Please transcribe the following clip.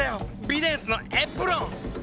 ビデンスのエプロン！